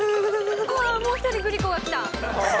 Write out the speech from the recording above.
もう１人グリコが来た。